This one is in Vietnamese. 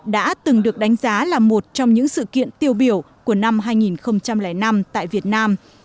đã từng được đánh giá là một trong những sự kiện tiêu biểu của năm hai nghìn năm tại việt nam